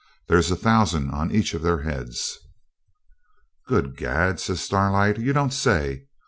There's a thousand on each of their heads.' 'Good gad!' says Starlight, 'you don't say so!